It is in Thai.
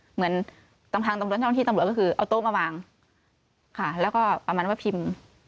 เหมือนทางตำรวจเจ้าหน้าที่ตำรวจก็คือเอาโต๊ะมาวางค่ะแล้วก็ประมาณว่าพิมพ์